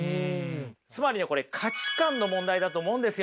つまりねこれ価値観の問題だと思うんですよね。